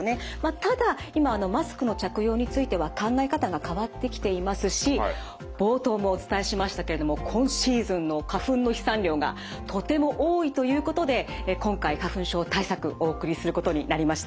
ただ今マスクの着用については考え方が変わってきていますし冒頭もお伝えしましたけれども今シーズンの花粉の飛散量がとても多いということで今回花粉症対策お送りすることになりました。